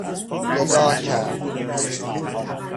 نگاه کرد